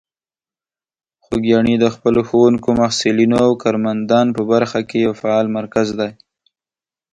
خوږیاڼي د خپلو ښوونکو، محصلینو او کارمندان په برخه کې یو فعال مرکز دی.